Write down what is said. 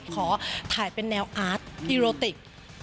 ขอถ่ายเป็นแนวอาร์ตพี่โรติก